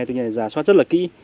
tuy nhiên giả soát rất là kĩ